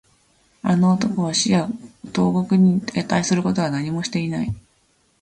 あの男は死や投獄に値することは何もしていない